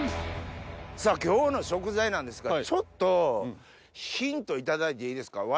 今日の食材なんですがちょっとヒントいただいていいですか？